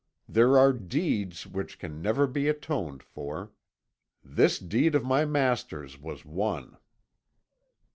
There are deeds which can never be atoned for. This deed of my master's was one."